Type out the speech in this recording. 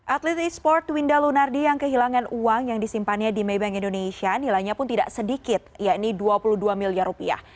atlet e sport winda lunardi yang kehilangan uang yang disimpannya di maybank indonesia nilainya pun tidak sedikit yakni dua puluh dua miliar rupiah